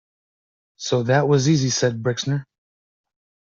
So that was easy, said Brixner.